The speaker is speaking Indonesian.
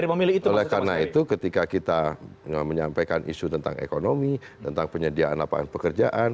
oleh karena itu ketika kita menyampaikan isu tentang ekonomi tentang penyediaan lapangan pekerjaan